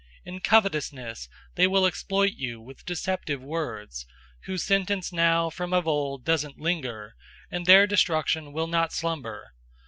002:003 In covetousness they will exploit you with deceptive words: whose sentence now from of old doesn't linger, and their destruction will not slumber.